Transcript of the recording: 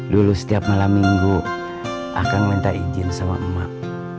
dulu setiap malam minggu akan minta izin sama emak